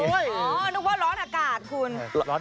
นึกว่าร้อนอากาศคุณ